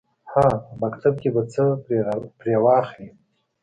_هه! په مکتب کې به څه پرې واخلې.